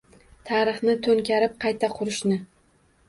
Tarixni to’nkarib qayta qurishni.